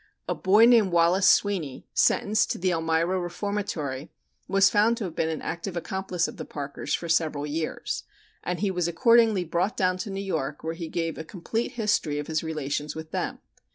A boy named Wallace Sweeney, sentenced to the Elmira Reformatory, was found to have been an active accomplice of the Parkers for several years, and he was accordingly brought down to New York, where he gave a complete history of his relations with them.